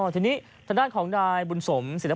ฉะนั้นถนัดของนายบุญสมศิษยภั